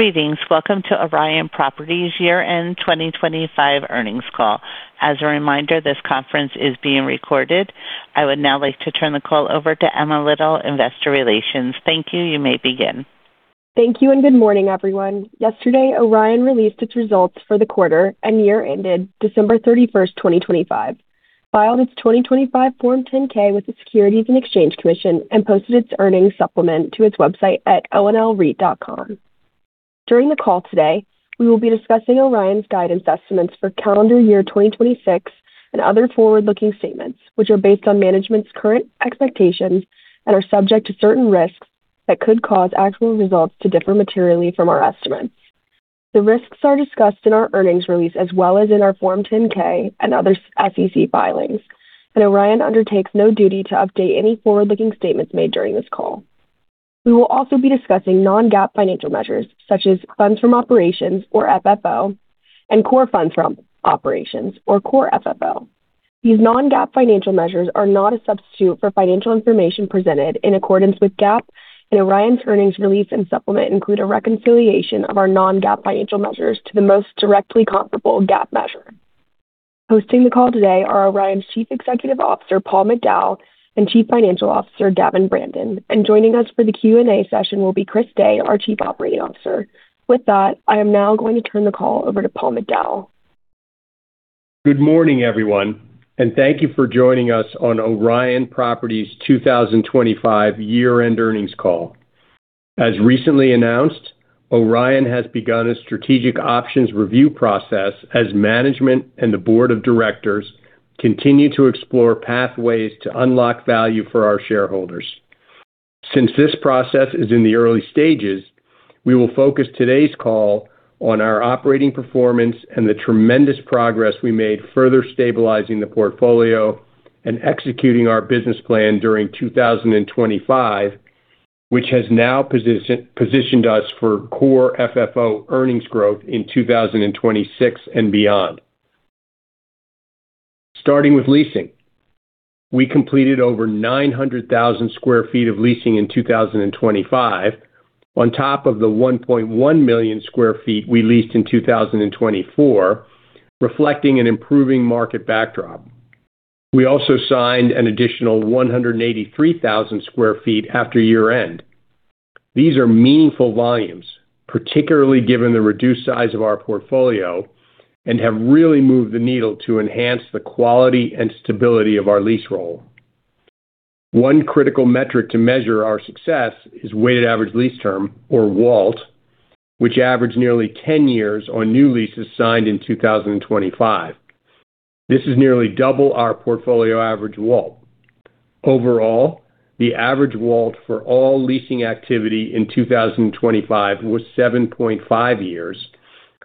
Greetings. Welcome to Orion Properties Year End 2025 earnings call. As a reminder, this conference is being recorded. I would now like to turn the call over to Emma Little, Investor Relations. Thank you. You may begin. Thank you and good morning, everyone. Yesterday, Orion released its results for the quarter and year ended December 31st, 2025, filed its 2025 Form 10-K with the Securities and Exchange Commission and posted its earnings supplement to its website at onlreit.com. During the call today, we will be discussing Orion's guidance estimates for calendar year 2026 and other forward-looking statements, which are based on management's current expectations and are subject to certain risks that could cause actual results to differ materially from our estimates. The risks are discussed in our earnings release as well as in our Form 10-K and other SEC filings. Orion undertakes no duty to update any forward-looking statements made during this call. We will also be discussing non-GAAP financial measures such as funds from operations or FFO and Core FFO. These non-GAAP financial measures are not a substitute for financial information presented in accordance with GAAP. Orion's earnings release and supplement include a reconciliation of our non-GAAP financial measures to the most directly comparable GAAP measure. Hosting the call today are Orion's Chief Executive Officer, Paul McDowell, and Chief Financial Officer, Gavin Brandon. Joining us for the Q&A session will be Chris Day, our Chief Operating Officer. With that, I am now going to turn the call over to Paul McDowell. Good morning, everyone, thank you for joining us on Orion Properties' 2025 year-end earnings call. As recently announced, Orion has begun a strategic options review process as management and the board of directors continue to explore pathways to unlock value for our shareholders. Since this process is in the early stages, we will focus today's call on our operating performance and the tremendous progress we made further stabilizing the portfolio and executing our business plan during 2025, which has now positioned us for Core FFO earnings growth in 2026 and beyond. Starting with leasing. We completed over 900,000 sq ft of leasing in 2025 on top of the 1.1 million sq ft we leased in 2024, reflecting an improving market backdrop. We also signed an additional 183,000 sq ft after year-end. These are meaningful volumes, particularly given the reduced size of our portfolio and have really moved the needle to enhance the quality and stability of our lease roll. One critical metric to measure our success is weighted average lease term or WALT, which averaged nearly 10 years on new leases signed in 2025. This is nearly double our portfolio average WALT. Overall, the average WALT for all leasing activity in 2025 was 7.5 years,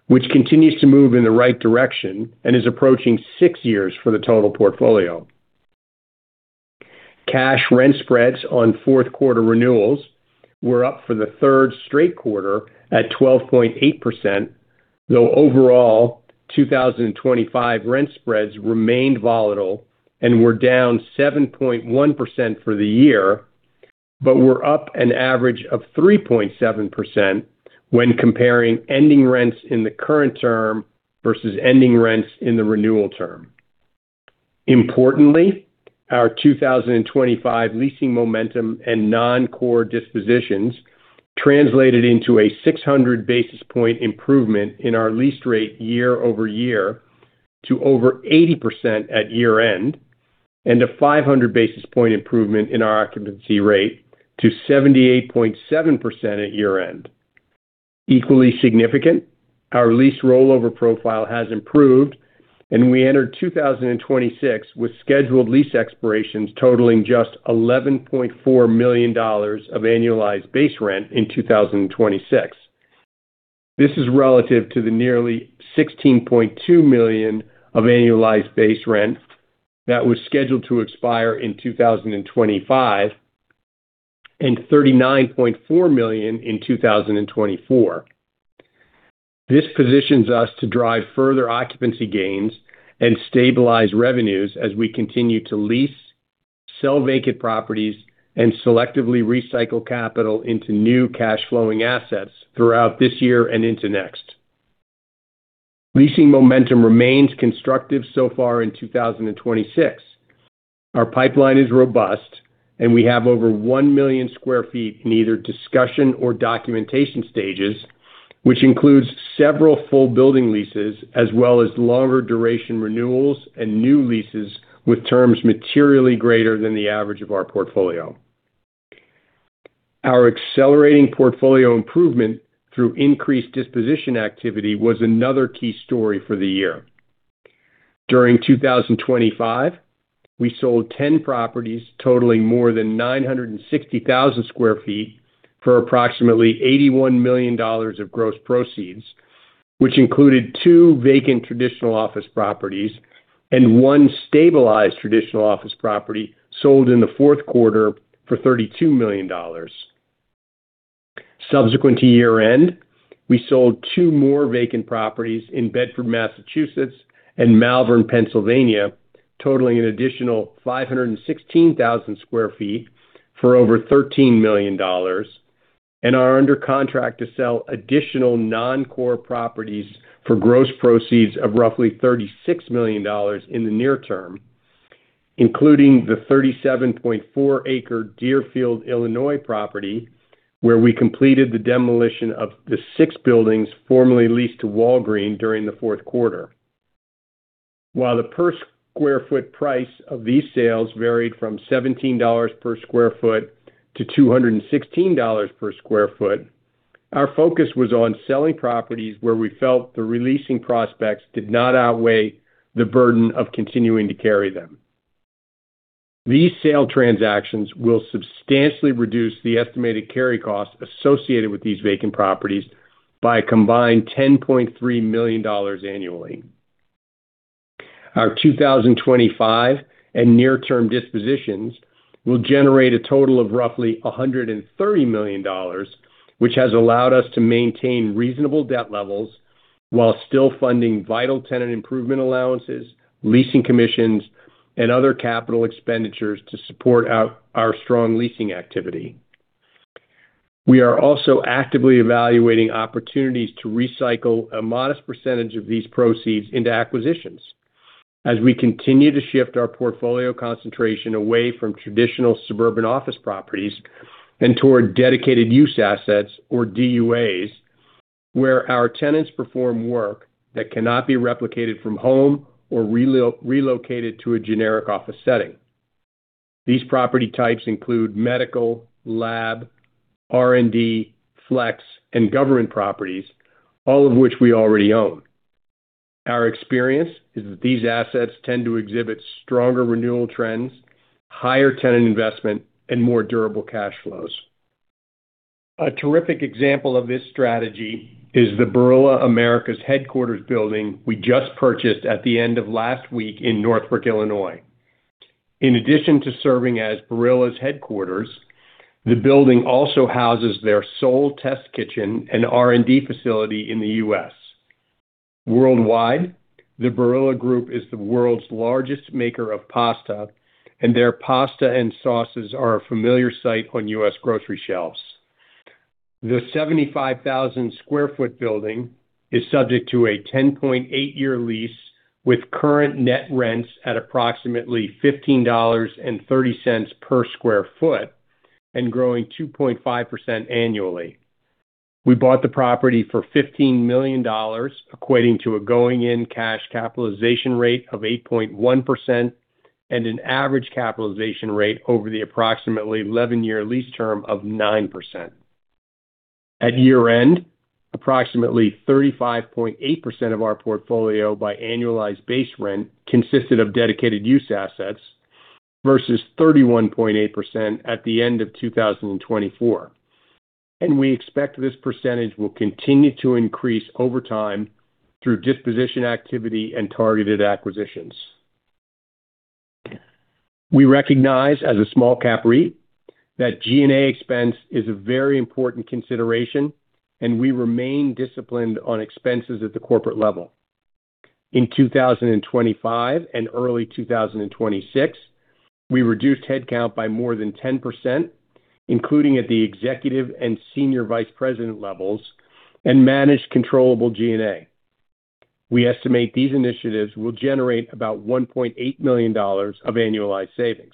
which continues to move in the right direction and is approaching 6 years for the total portfolio. Cash rent spreads on fourth quarter renewals were up for the third straight quarter at 12.8%, though overall, 2025 rent spreads remained volatile and were down 7.1% for the year, but were up an average of 3.7% when comparing ending rents in the current term versus ending rents in the renewal term. Importantly, our 2025 leasing momentum and non-core dispositions translated into a 600 basis point improvement in our lease rate year-over-year to over 80% at year-end, and a 500 basis point improvement in our occupancy rate to 78.7% at year-end. Equally significant, our lease rollover profile has improved, and we entered 2026 with scheduled lease expirations totaling just $11.4 million of Annualized Base Rent in 2026. This is relative to the nearly $16.2 million of Annualized Base Rent that was scheduled to expire in 2025, and $39.4 million in 2024. This positions us to drive further occupancy gains and stabilize revenues as we continue to lease, sell vacant properties, and selectively recycle capital into new cash flowing assets throughout this year and into next. Leasing momentum remains constructive so far in 2026. Our pipeline is robust, we have over 1 million sq ft in either discussion or documentation stages, which includes several full building leases as well as longer duration renewals and new leases with terms materially greater than the average of our portfolio. Our accelerating portfolio improvement through increased disposition activity was another key story for the year. During 2025, we sold 10 properties totaling more than 960,000 sq ft for approximately $81 million of gross proceeds, which included two vacant traditional office properties and 1 stabilized traditional office property sold in the 4th quarter for $32 million. Subsequent to year-end, we sold two more vacant properties in Bedford, Massachusetts and Malvern, Pennsylvania. Totaling an additional 516,000 sq ft for over $13 million, and are under contract to sell additional non-core properties for gross proceeds of roughly $36 million in the near term, including the 37.4 acre Deerfield, Illinois property, where we completed the demolition of the six buildings formerly leased to Walgreens during the 4th quarter. While the per square foot price of these sales varied from $17 per sq ft to $216 per sq ft, our focus was on selling properties where we felt the releasing prospects did not outweigh the burden of continuing to carry them. These sale transactions will substantially reduce the estimated carry costs associated with these vacant properties by a combined $10.3 million annually. Our 2025 and near-term dispositions will generate a total of roughly $130 million, which has allowed us to maintain reasonable debt levels while still funding vital tenant improvement allowances, leasing commissions, and other capital expenditures to support our strong leasing activity. We are also actively evaluating opportunities to recycle a modest % of these proceeds into acquisitions as we continue to shift our portfolio concentration away from traditional suburban office properties and toward dedicated use assets or DUAs, where our tenants perform work that cannot be replicated from home or relocated to a generic office setting. These property types include medical, lab, R&D, flex, and government properties, all of which we already own. Our experience is that these assets tend to exhibit stronger renewal trends, higher tenant investment, and more durable cash flows. A terrific example of this strategy is the Barilla Americas headquarters building we just purchased at the end of last week in Northbrook, Illinois. In addition to serving as Barilla's headquarters, the building also houses their sole test kitchen and R&D facility in the U.S. Worldwide, the Barilla Group is the world's largest maker of pasta, and their pasta and sauces are a familiar sight on U.S. grocery shelves. The 75,000 sq ft building is subject to a 10.8-year lease with current net rents at approximately $15.30 per sq ft and growing 2.5% annually. We bought the property for $15 million, equating to a going-in Cash Capitalization Rate of 8.1% and an average capitalization rate over the approximately 11-year lease term of 9%. At year-end, approximately 35.8% of our portfolio by Annualized Base Rent consisted of dedicated use assets versus 31.8% at the end of 2024. We expect this percentage will continue to increase over time through disposition activity and targeted acquisitions. We recognize as a small cap REIT that G&A expense is a very important consideration. We remain disciplined on expenses at the corporate level. In 2025 and early 2026, we reduced headcount by more than 10%, including at the executive and senior vice president levels, and managed controllable G&A. We estimate these initiatives will generate about $1.8 million of annualized savings.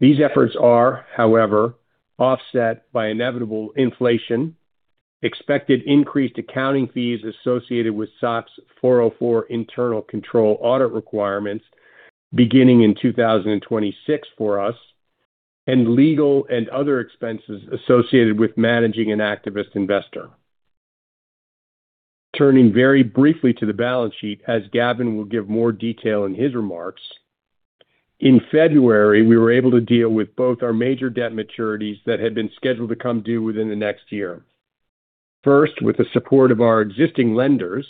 These efforts are, however, offset by inevitable inflation, expected increased accounting fees associated with SOX Section 404 internal control audit requirements beginning in 2026 for us, and legal and other expenses associated with managing an activist investor. Turning very briefly to the balance sheet, as Gavin will give more detail in his remarks. In February, we were able to deal with both our major debt maturities that had been scheduled to come due within the next year. First, with the support of our existing lenders,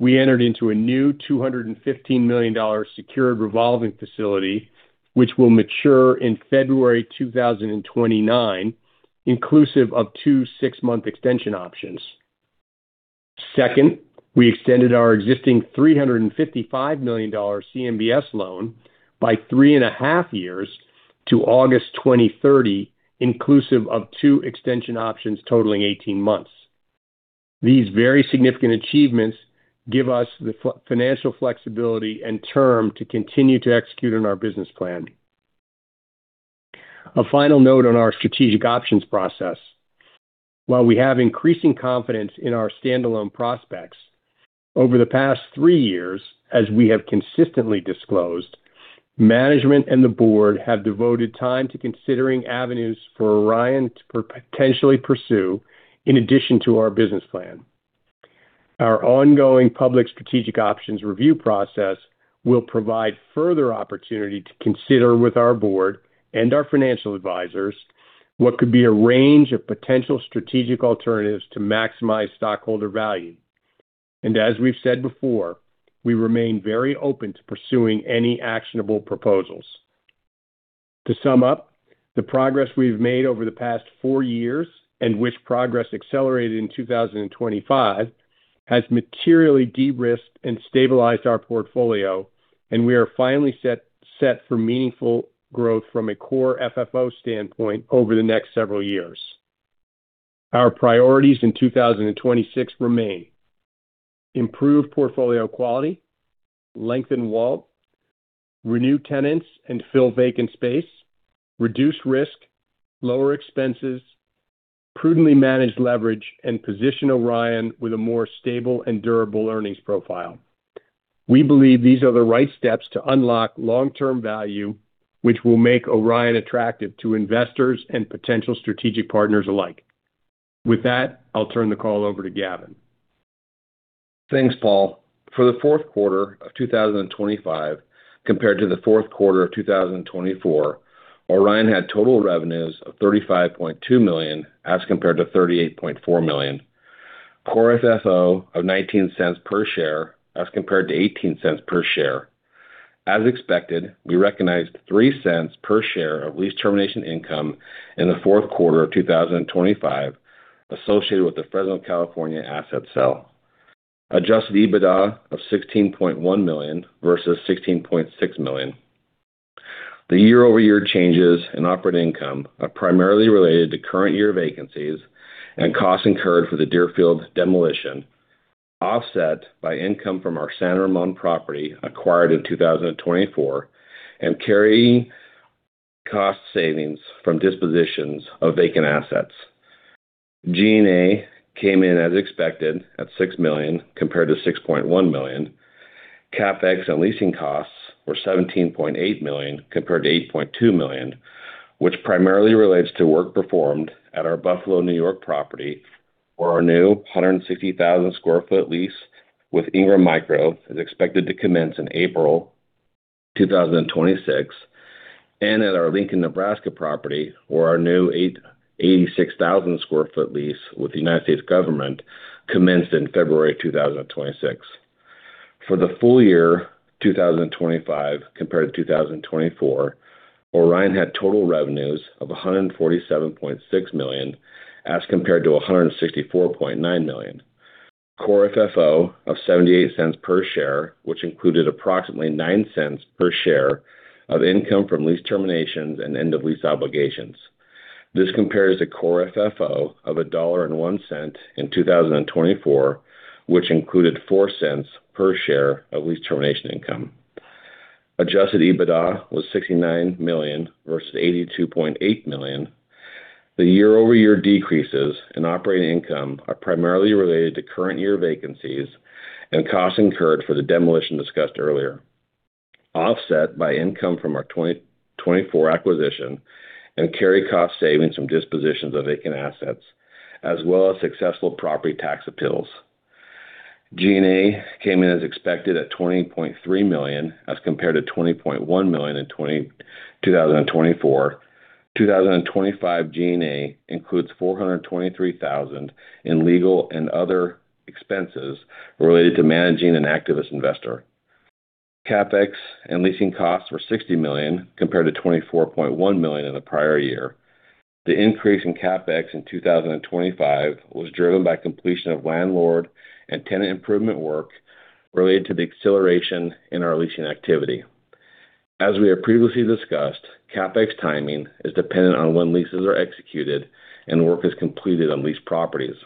we entered into a new $215 million secured revolving facility, which will mature in February 2029, inclusive of two six-month extension options. Second, we extended our existing $355 million CMBS loan by three and a half years to August 2030, inclusive of two extension options totaling 18 months. These very significant achievements give us the financial flexibility and term to continue to execute on our business plan. A final note on our strategic options process. While we have increasing confidence in our standalone prospects, over the past three years, as we have consistently disclosed, management and the board have devoted time to considering avenues for Orion to potentially pursue in addition to our business plan. Our ongoing public strategic options review process will provide further opportunity to consider with our board and our financial advisors what could be a range of potential strategic alternatives to maximize stockholder value. As we've said before, we remain very open to pursuing any actionable proposals. To sum up, the progress we've made over the past four years, and which progress accelerated in 2025, has materially de-risked and stabilized our portfolio, and we are finally set for meaningful growth from a Core FFO standpoint over the next several years. Our priorities in 2026 remain: improve portfolio quality, lengthen WALT, renew tenants, and fill vacant space, reduce risk, lower expenses, prudently manage leverage, and position Orion with a more stable and durable earnings profile. We believe these are the right steps to unlock long-term value, which will make Orion attractive to investors and potential strategic partners alike. With that, I'll turn the call over to Gavin. Thanks, Paul. For the fourth quarter of 2025 compared to the fourth quarter of 2024, Orion had total revenues of $35.2 million, as compared to $38.4 million. Core FFO of $0.19 per share, as compared to $0.18 per share. As expected, we recognized $0.03 per share of lease termination income in the fourth quarter of 2025 associated with the Fresno, California asset sale. Adjusted EBITDA of $16.1 million versus $16.6 million. The year-over-year changes in operating income are primarily related to current year vacancies and costs incurred for the Deerfield demolition, offset by income from our San Ramon property acquired in 2024 and carrying cost savings from dispositions of vacant assets. G&A came in as expected at $6 million compared to $6.1 million. CapEx and leasing costs were $17.8 million compared to $8.2 million, which primarily relates to work performed at our Buffalo, New York property, where our new 160,000 sq ft lease with Ingram Micro is expected to commence in April 2026. At our Lincoln, Nebraska property, where our new 86,000 sq ft lease with the United States government commenced in February 2026. For the full year 2025 compared to 2024, Orion had total revenues of $147.6 million, as compared to $164.9 million. Core FFO of $0.78 per share, which included approximately $0.09 per share of income from lease terminations and end of lease obligations. This compares a Core FFO of $1.01 in 2024, which included $0.04 per share of lease termination income. Adjusted EBITDA was $69 million versus $82.8 million. The year-over-year decreases in operating income are primarily related to current year vacancies and costs incurred for the demolition discussed earlier, offset by income from our 2024 acquisition and carry cost savings from dispositions of vacant assets, as well as successful property tax appeals. G&A came in as expected at $20.3 million as compared to $20.1 million in 2024. 2025 G&A includes $423,000 in legal and other expenses related to managing an activist investor. CapEx and leasing costs were $60 million compared to $24.1 million in the prior year. The increase in CapEx in 2025 was driven by completion of landlord and tenant improvement work related to the acceleration in our leasing activity. As we have previously discussed, CapEx timing is dependent on when leases are executed and work is completed on leased properties.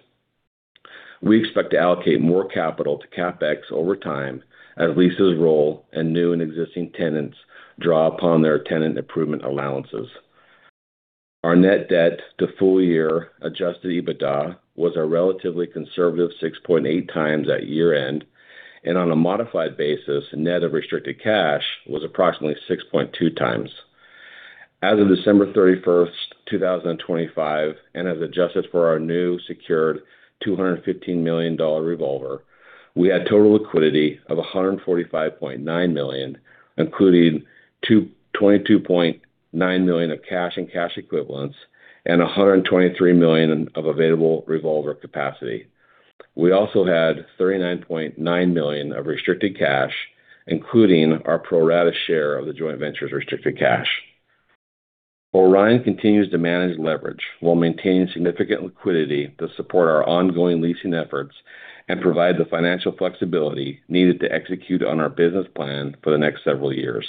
We expect to allocate more capital to CapEx over time as leases roll and new and existing tenants draw upon their tenant improvement allowances. Our Net Debt to full year Adjusted EBITDA was a relatively conservative 6.8 times at year-end, and on a modified basis, net of restricted cash was approximately 6.2 times. As of December 31st, 2025, as adjusted for our new secured $215 million revolver, we had total liquidity of $145.9 million, including $22.9 million of cash and cash equivalents, and $123 million of available revolver capacity. We also had $39.9 million of restricted cash, including our pro rata share of the joint venture's restricted cash. Orion continues to manage leverage while maintaining significant liquidity to support our ongoing leasing efforts and provide the financial flexibility needed to execute on our business plan for the next several years.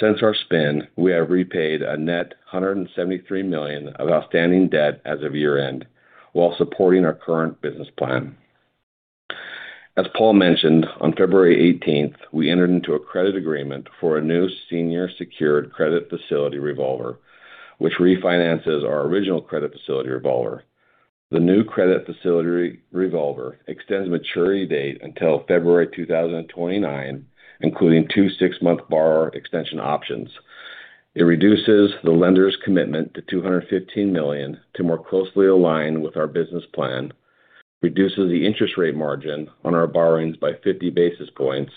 Since our spin, we have repaid a net $173 million of outstanding debt as of year-end while supporting our current business plan. As Paul mentioned, on February 18th, we entered into a credit agreement for a new senior secured credit facility revolver, which refinances our original credit facility revolver. The new credit facility revolver extends maturity date until February 2029, including two six-month borrower extension options. It reduces the lender's commitment to $215 million to more closely align with our business plan, reduces the interest rate margin on our borrowings by 50 basis points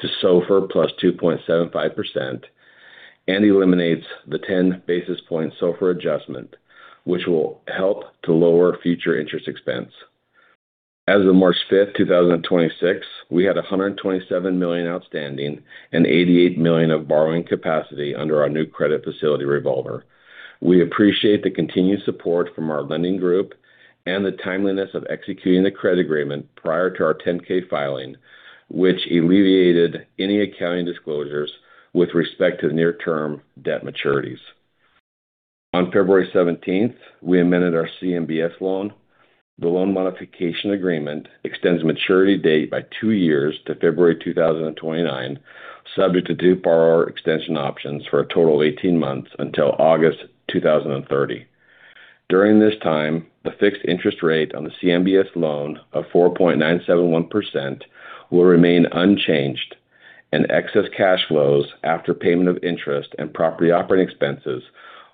to SOFR plus 2.75%, and eliminates the 10 basis point SOFR adjustment, which will help to lower future interest expense. As of March 5th, 2026, we had $127 million outstanding and $88 million of borrowing capacity under our new credit facility revolver. We appreciate the continued support from our lending group and the timeliness of executing the credit agreement prior to our 10-K filing, which alleviated any accounting disclosures with respect to near term debt maturities. On February 17th, we amended our CMBS loan. The loan modification agreement extends maturity date by two years to February 2029, subject to two borrower extension options for a total of 18 months until August 2030. During this time, the fixed interest rate on the CMBS loan of 4.971% will remain unchanged, and excess cash flows after payment of interest and property operating expenses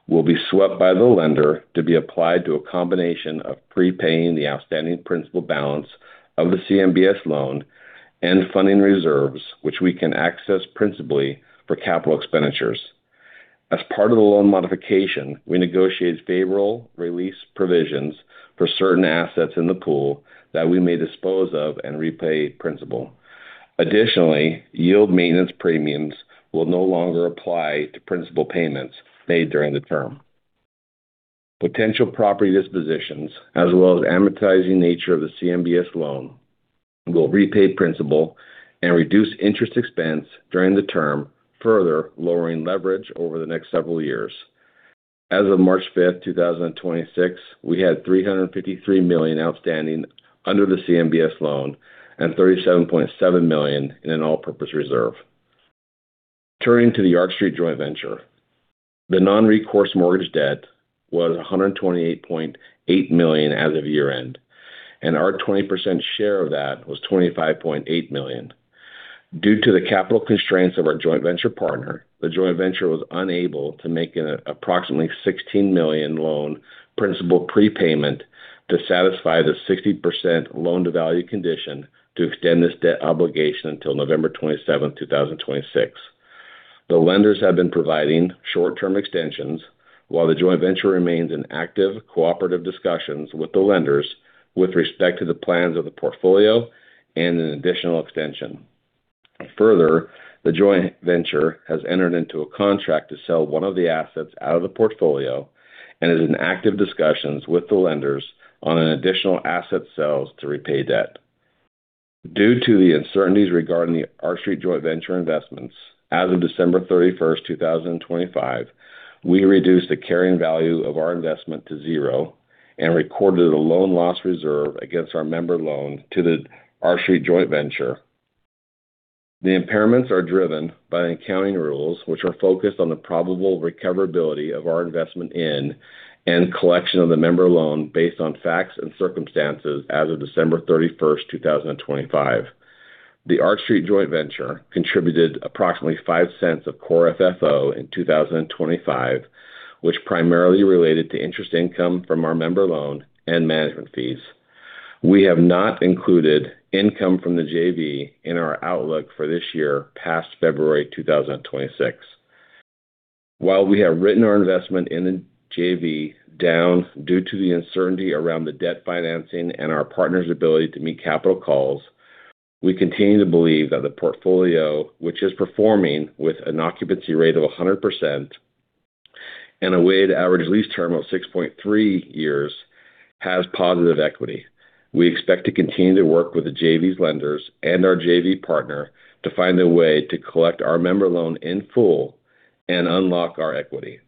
will be swept by the lender to be applied to a combination of prepaying the outstanding principal balance of the CMBS loan and funding reserves, which we can access principally for capital expenditures. As part of the loan modification, we negotiated favorable release provisions for certain assets in the pool that we may dispose of and repay principal. Additionally, Yield Maintenance premiums will no longer apply to principal payments made during the term. Potential property dispositions, as well as amortizing nature of the CMBS loan, will repay principal and reduce interest expense during the term, further lowering leverage over the next several years. As of March 5th, 2026, we had $353 million outstanding under the CMBS loan and $37.7 million in an all-purpose reserve. Turning to the Arch Street joint venture. The non-recourse mortgage debt was $128.8 million as of year-end, and our 20% share of that was $25.8 million. Due to the capital constraints of our joint venture partner, the joint venture was unable to make an approximately $16 million loan principal prepayment to satisfy the 60% loan-to-value condition to extend this debt obligation until November 27th, 2026. The lenders have been providing short-term extensions while the joint venture remains in active cooperative discussions with the lenders with respect to the plans of the portfolio and an additional extension. The joint venture has entered into a contract to sell one of the assets out of the portfolio and is in active discussions with the lenders on an additional asset sales to repay debt. Due to the uncertainties regarding the Arch Street joint venture investments, as of December 31st, 2025, we reduced the carrying value of our investment to zero and recorded a loan loss reserve against our member loan to the Arch Street joint venture. The impairments are driven by accounting rules which are focused on the probable recoverability of our investment in and collection of the member loan based on facts and circumstances as of December 31st, 2025. The Arch Street joint venture contributed approximately $0.05 of Core FFO in 2025, which primarily related to interest income from our member loan and management fees. We have not included income from the JV in our outlook for this year past February 2026. While we have written our investment in the JV down due to the uncertainty around the debt financing and our partner's ability to meet capital calls, we continue to believe that the portfolio, which is performing with an occupancy rate of 100% and a weighted average lease term of 6.3 years, has positive equity. We expect to continue to work with the JV's lenders and our JV partner to find a way to collect our member loan in full and unlock our equity.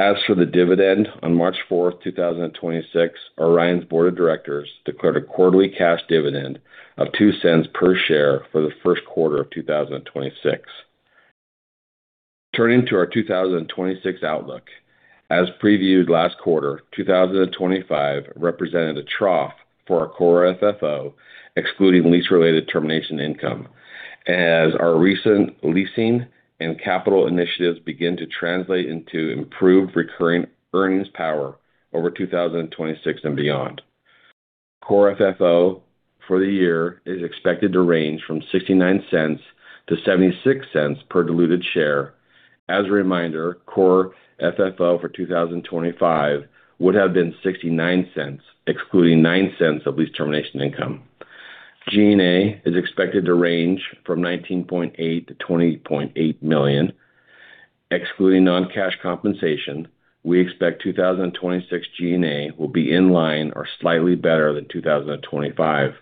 As for the dividend, on March 4th, 2026, Orion's board of directors declared a quarterly cash dividend of $0.02 per share for the first quarter of 2026. Turning to our 2026 outlook. As previewed last quarter, 2025 represented a trough for our Core FFO, excluding lease-related termination income, as our recent leasing and capital initiatives begin to translate into improved recurring earnings power over 2026 and beyond. Core FFO for the year is expected to range from $0.69-$0.76 per diluted share. As a reminder, Core FFO for 2025 would have been $0.69, excluding $0.09 of lease termination income. G&A is expected to range from $19.8 million-$20.8 million. Excluding non-cash compensation, we expect 2026 G&A will be in line or slightly better than 2025.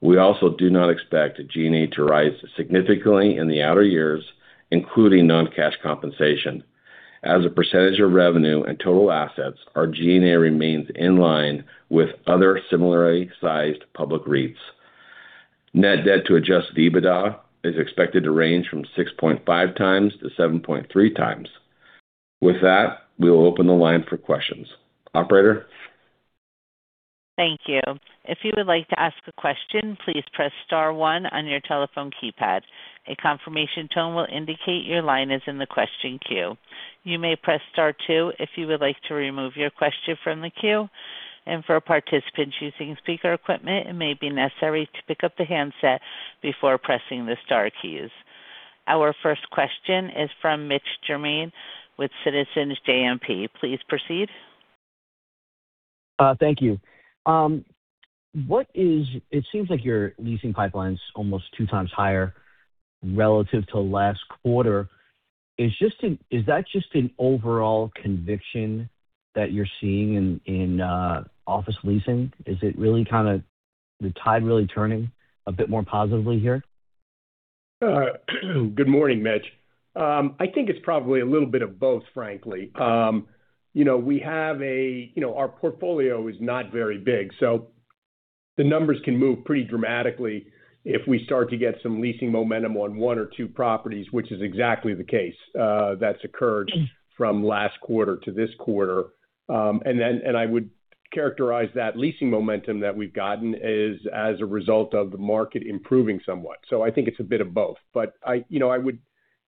We also do not expect G&A to rise significantly in the outer years, including non-cash compensation. As a % of revenue and total assets, our G&A remains in line with other similarly sized public REITs. Net Debt to Adjusted EBITDA is expected to range from 6.5x to 7.3x. With that, we will open the line for questions. Operator? Thank you. If you would like to ask a question, please press star one on your telephone keypad. A confirmation tone will indicate your line is in the question queue. You may press Star two if you would like to remove your question from the queue. For participants using speaker equipment, it may be necessary to pick up the handset before pressing the star keys. Our first question is from Mitch Germain with Citizens JMP. Please proceed. Thank you. It seems like your leasing pipeline is almost 2 times higher relative to last quarter. Is that just an overall conviction that you're seeing in office leasing? Is it really kind of the tide really turning a bit more positively here? Good morning, Mitch. I think it's probably a little bit of both, frankly. You know, we have a, you know, our portfolio is not very big, so the numbers can move pretty dramatically if we start to get some leasing momentum on one or two properties, which is exactly the case that's occurred from last quarter to this quarter. I would characterize that leasing momentum that we've gotten is as a result of the market improving somewhat. I think it's a bit of both. I, you know, I would,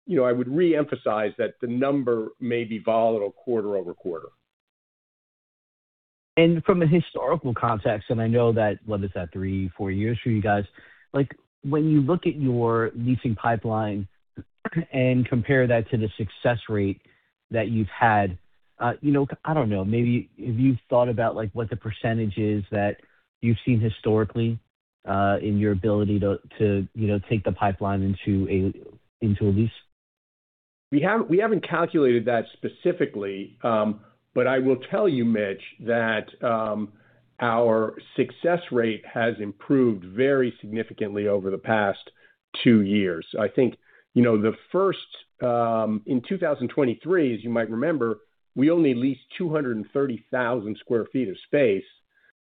you know, I would reemphasize that the number may be volatile quarter-over-quarter. From a historical context, and I know that, what is that, three, four years for you guys? Like, when you look at your leasing pipeline and compare that to the success rate that you've had, you know, I don't know, maybe have you thought about, like, what the % is that you've seen historically, in your ability to, you know, take the pipeline into a, into a lease? We haven't calculated that specifically. I will tell you, Mitch, that our success rate has improved very significantly over the past two years. I think, you know, the first, in 2023, as you might remember, we only leased 230,000 sq ft of space,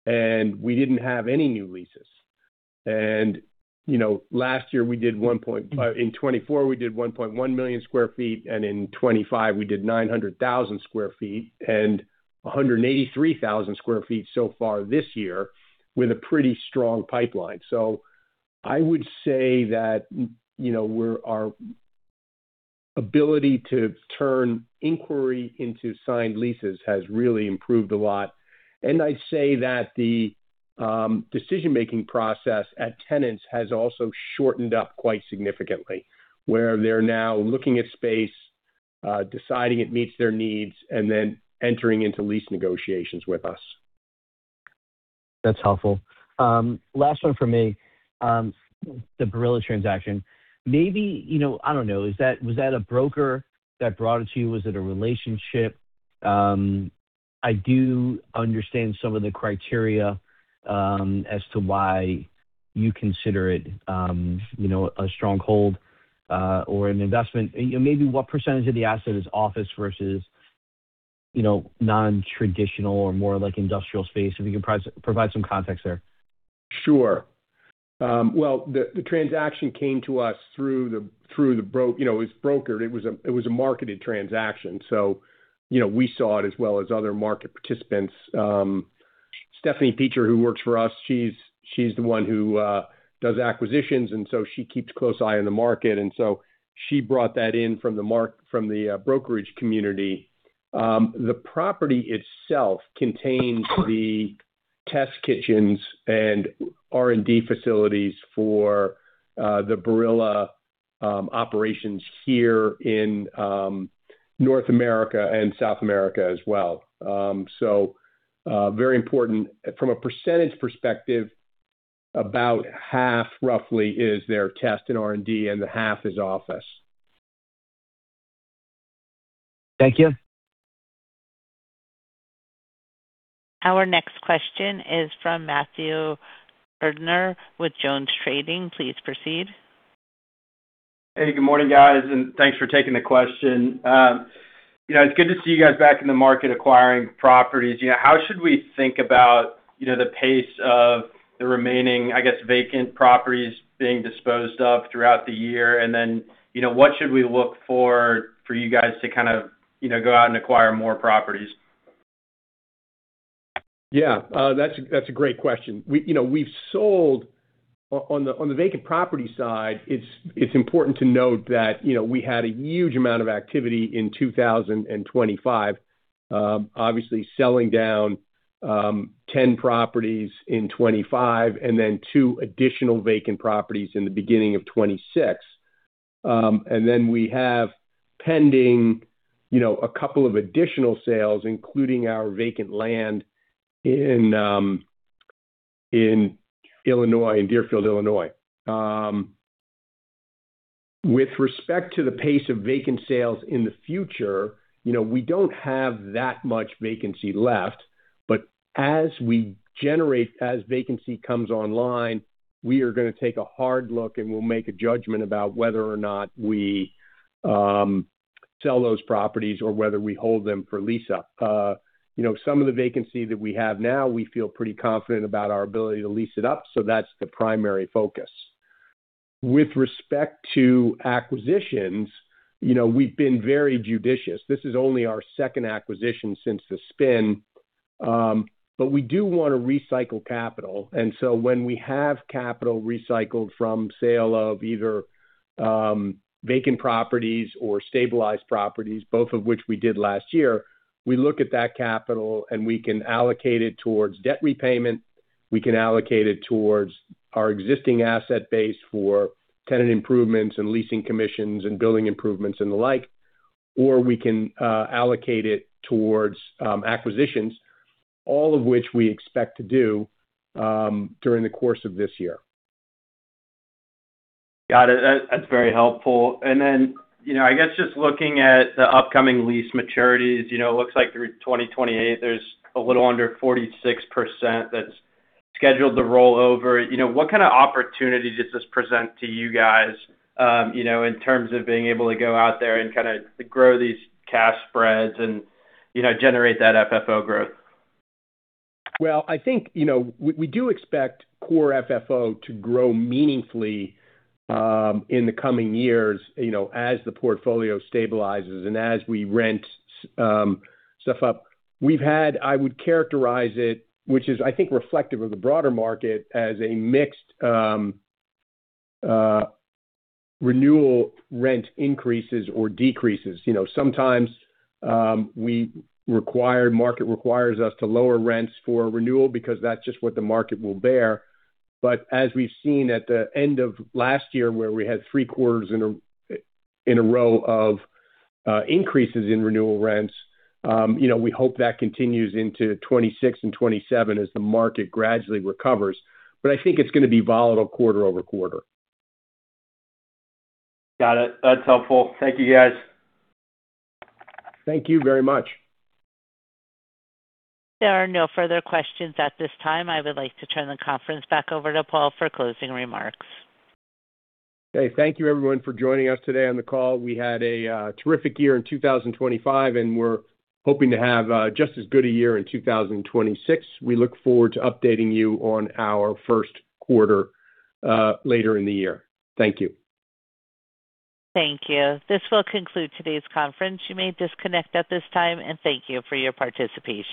and we didn't have any new leases. You know, last year in 2024 we did 1.1 million sq ft, and in 2025 we did 900,000 sq ft and 183,000 sq ft so far this year with a pretty strong pipeline. I would say that, you know, our ability to turn inquiry into signed leases has really improved a lot. I'd say that the decision-making process at tenants has also shortened up quite significantly, where they're now looking at space, deciding it meets their needs and then entering into lease negotiations with us. That's helpful. Last one for me. The Barilla transaction, maybe, you know, I don't know, was that a broker that brought it to you? Was it a relationship? I do understand some of the criteria, as to why you consider it, you know, a stronghold, or an investment. You know, maybe what percentage of the asset is office versus, you know, non-traditional or more like industrial space? If you could provide some context there. Sure. Well, the transaction came to us through the you know, it was brokered. It was a marketed transaction, so, you know, we saw it as well as other market participants. Stephanie Peacher, who works for us, she's the one who does acquisitions, and so she keeps a close eye on the market, and so she brought that in from the brokerage community. The property itself contains the test kitchens and R&D facilities for the Barilla operations here in North America and South America as well. Very important. From a percentage perspective, about half roughly is their test in R&D, and the half is office. Thank you. Our next question is from Matthew Erdner with Jones Trading. Please proceed. Hey, good morning, guys. Thanks for taking the question. You know, it's good to see you guys back in the market acquiring properties. You know, how should we think about, you know, the pace of the remaining, I guess, vacant properties being disposed of throughout the year? Then, you know, what should we look for for you guys to kind of, you know, go out and acquire more properties? That's a great question. You know, we've sold on the vacant property side, it's important to note that, you know, we had a huge amount of activity in 2025. Obviously selling down 10 properties in 25 and then two additional vacant properties in the beginning of 26. We have pending, you know, a couple of additional sales, including our vacant land in Illinois, in Deerfield, Illinois. With respect to the pace of vacant sales in the future, you know, we don't have that much vacancy left, but as we generate, as vacancy comes online, we are gonna take a hard look, and we'll make a judgment about whether or not we sell those properties or whether we hold them for lease up. You know, some of the vacancy that we have now, we feel pretty confident about our ability to lease it up, so that's the primary focus. With respect to acquisitions, you know, we've been very judicious. This is only our second acquisition since the spin. But we do wanna recycle capital. When we have capital recycled from sale of either vacant properties or stabilized properties, both of which we did last year, we look at that capital, and we can allocate it towards debt repayment. We can allocate it towards our existing asset base for tenant improvements and leasing commissions and building improvements and the like. We can allocate it towards acquisitions, all of which we expect to do during the course of this year. Got it. That's very helpful. you know, I guess just looking at the upcoming lease maturities, you know, it looks like through 2028 there's a little under 46% that's scheduled to roll over. You know, what kind of opportunity does this present to you guys, you know, in terms of being able to go out there and kinda grow these cash spreads and, you know, generate that FFO growth? Well, I think, you know, we do expect Core FFO to grow meaningfully in the coming years, you know, as the portfolio stabilizes and as we rent stuff up. We've had. I would characterize it, which is I think reflective of the broader market, as a mixed renewal rent increases or decreases. You know, sometimes, market requires us to lower rents for renewal because that's just what the market will bear. As we've seen at the end of last year where we had three quarters in a row of increases in renewal rents, you know, we hope that continues into 2026 and 2027 as the market gradually recovers. I think it's gonna be volatile quarter-over-quarter. Got it. That's helpful. Thank you, guys. Thank you very much. There are no further questions at this time. I would like to turn the conference back over to Paul for closing remarks. Okay. Thank you everyone for joining us today on the call. We had a terrific year in 2025, and we're hoping to have just as good a year in 2026. We look forward to updating you on our first quarter later in the year. Thank you. Thank you. This will conclude today's conference. You may disconnect at this time, and thank you for your participation.